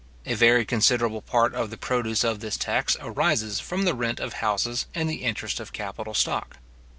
A very considerable part of the produce of this tax arises from the rent of houses and the interest of capital stock.